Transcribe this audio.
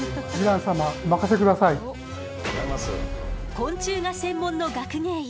昆虫が専門の学芸員